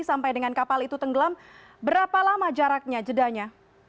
sampai dengan kapal itu tenggelam berapa lama jaraknya jedanya